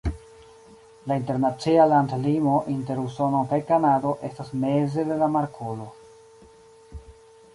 La internacia landlimo inter Usono kaj Kanado estas meze de la markolo.